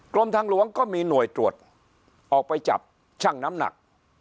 กรมทางหลวงก็มีหน่วยตรวจออกไปจับช่างน้ำหนัก